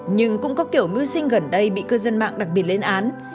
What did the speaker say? nhưng cũng có kiểu mưu sinh gần đây bị cư dân mạng đặc biệt lên án